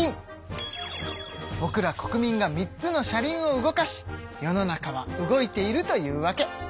ぼくら国民が３つの車輪を動かし世の中は動いているというわけ。